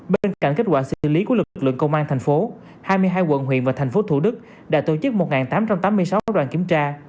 bên cạnh kết quả xứ lý của lực lượng công an tp hcm hai mươi hai quận huyện và tp hcm đã tổ chức một tám trăm tám mươi sáu đoàn kiểm tra